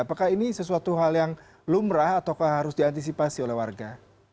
apakah ini sesuatu hal yang lumrah atau harus diantisipasi oleh warga